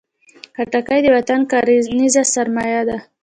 خټکی د وطن کرنیزه سرمایه ده.